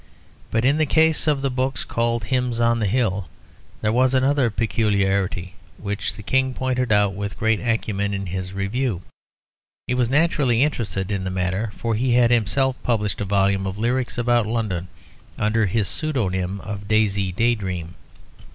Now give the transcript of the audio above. But, in the case of the book called "Hymns on the Hill," there was another peculiarity, which the King pointed out with great acumen in his review. He was naturally interested in the matter, for he had himself published a volume of lyrics about London under his pseudonym of "Daisy Daydream."